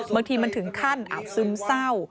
บางทีมันถึงขั้นอาจซึมเศร้า